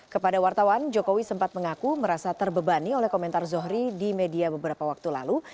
kepada wartawan jokowi sempat mengaku merasa terbebani oleh komentar zohri di media beberapa waktu lalu